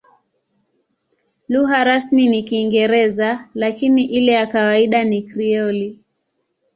Lugha rasmi ni Kiingereza, lakini ile ya kawaida ni Krioli.